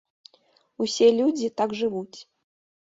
Усе людзі так жывуць.